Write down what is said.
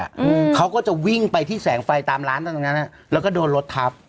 อืมเขาก็จะวิ่งไปที่แสงไฟตามร้านตรงนั้นอ่ะแล้วก็โดนรถทับ